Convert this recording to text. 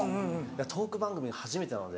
トーク番組が初めてなので。